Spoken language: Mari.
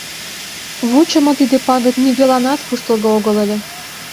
Вучымо тиде пагыт нигӧланат куштылго огыл ыле.